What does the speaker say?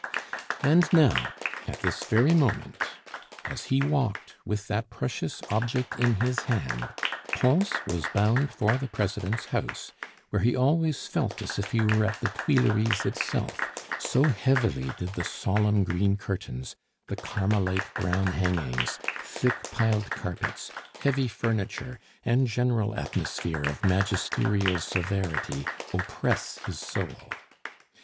And now, at this very moment, as he walked with that precious object in his hand, Pons was bound for the President's house, where he always felt as if he were at the Tuileries itself, so heavily did the solemn green curtains, the carmelite brown hangings, thick piled carpets, heavy furniture, and general atmosphere of magisterial severity oppress his soul.